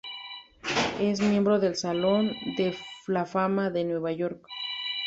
Es miembro del Salón de la Fama de Nueva York.